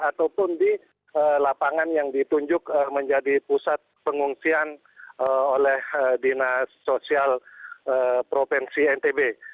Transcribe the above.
ataupun di lapangan yang ditunjuk menjadi pusat pengungsian oleh dinas sosial provinsi ntb